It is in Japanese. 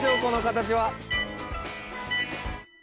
この形は。